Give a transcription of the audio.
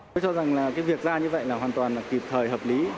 tôi cho rằng việc ra như vậy là hoàn toàn kịp thời hợp lý